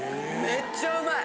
めっちゃうまい。